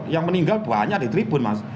yang meninggal banyak di tribun mas